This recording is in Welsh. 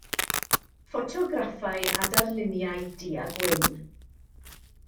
Ffotograffau a darluniau du-a-gwyn.